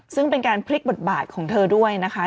ซึ่งเป็นการพลิกบทบาทของเธอด้วยนะคะ